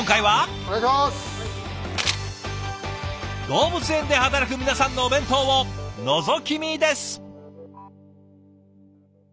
動物園で働く皆さんのお弁当をのぞき見です。